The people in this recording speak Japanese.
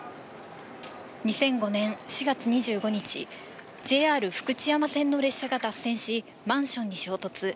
２００５年４月２５日、ＪＲ福知山線の列車が脱線し、マンションに衝突。